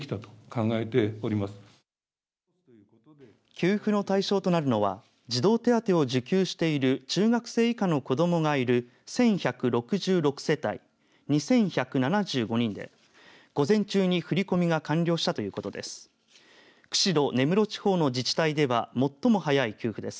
給付の対象となるのは児童手当を受給している中学生以下の子どもがいる１１６６世帯２１７５人で午前中に振り込みが完了したということです。